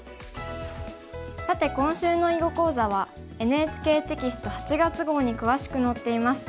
さて今週の囲碁講座はＮＨＫテキスト８月号に詳しく載っています。